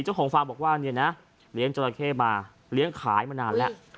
ฟาร์มบอกว่าเนี่ยนะเลี้ยงจราเข้มาเลี้ยงขายมานานแล้ว